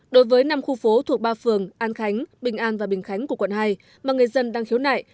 đối với năm khu phố thuộc ba phường an khánh bình an và bình khánh của quận hai mà người dân đang khiếu nại